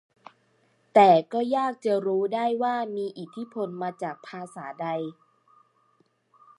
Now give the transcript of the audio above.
แต่ก็ยากจะรู้ได้ว่าได้อิทธิพลมาจากภาษาใด